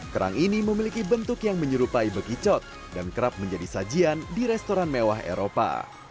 kerang ini memiliki bentuk yang menyerupai bekicot dan kerap menjadi sajian di restoran mewah eropa